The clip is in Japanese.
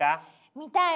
見たいわ！